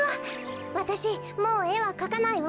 わたしもうえはかかないわ。